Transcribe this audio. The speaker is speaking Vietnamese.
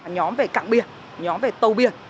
nhóm về cạng biển nhóm về tàu biển